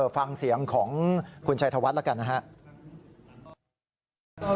ฟังเสียงของคุณชัยธวัฒน์แล้วกันนะครับ